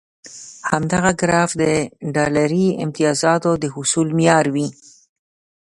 همدغه ګراف د ډالري امتیازاتو د حصول معیار وي.